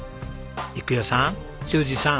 育代さん修二さん